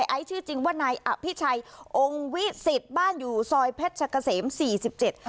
ไอซ์ชื่อจริงว่านายอภิชัยองค์วิสิตบ้านอยู่ซอยเพชรกะเสมสี่สิบเจ็ด